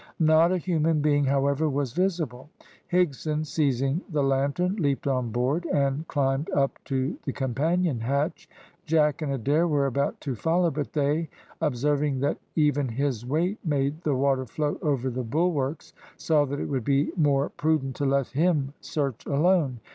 Not a human being, however, was visible. Higson, seizing the lantern, leaped on board, and climbed up to the companion hatch. Jack and Adair were about to follow, but they, observing that even his weight made the water flow over the bulwarks, saw that it would be more prudent to let him search alone.